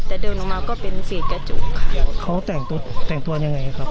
แต่เดินออกมาก็เป็นสี่กระจุกค่ะเขาแต่งตัวแต่งตัวยังไงครับ